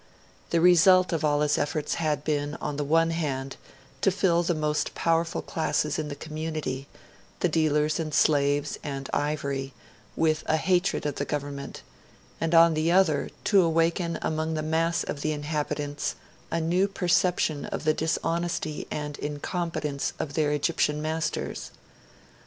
The result of all his efforts had been, on the one hand, to fill the most powerful classes in the community the dealers in slaves and, ivory with a hatred of the government, and on the other to awaken among the mass of the inhabitants a new perception of the dishonesty and incompetence of their Egyptian masters.